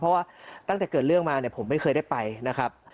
เพราะว่าตั้งแต่เกิดเรื่องมาเนี่ยผมไม่เคยได้ไปนะครับ